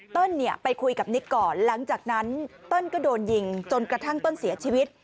ไปคุยกับนิกก่อนหลังจากนั้นเติ้ลก็โดนยิงจนกระทั่งเติ้ลเสียชีวิต